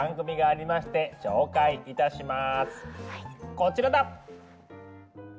こちらだ！